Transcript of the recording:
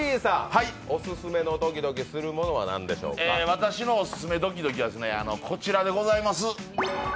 私のオススメドキドキはこちらでございます。